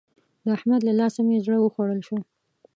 د احمد له لاسه مې زړه وخوړل شو.